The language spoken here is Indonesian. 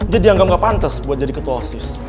jadi anggap gak pantes buat jadi ketua osis